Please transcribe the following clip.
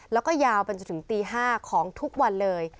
แล้วก็ยาวไปจนถึงตี๕ของทุกวันเลย